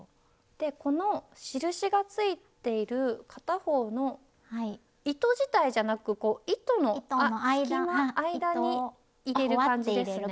この印がついている片方の糸自体じゃなく糸の隙間間に入れる感じですね？